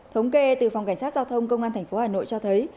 thống kê từ phòng cảnh sát giao thông công an tp hà nội cho thấy